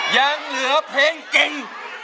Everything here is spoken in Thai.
ยังเหลือเพลงเก่ง